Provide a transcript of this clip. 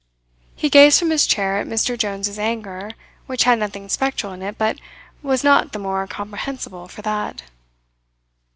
He gazed from his chair at Mr. Jones's anger, which had nothing spectral in it but was not the more comprehensible for that.